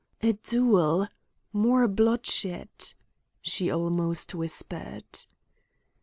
"A duel! More bloodshed!" she almost whispered.